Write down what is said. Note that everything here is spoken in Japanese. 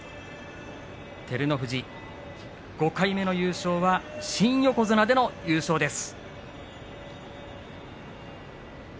照ノ富士、５回目の優勝は新横綱での優勝です。